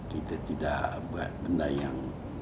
kita tidak buat benda yang